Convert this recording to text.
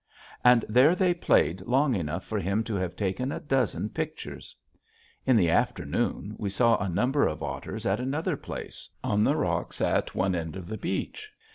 And there they played long enough for him to have taken a dozen pictures. In the afternoon we saw a number of otters at another place, on the rocks at one end of the beach.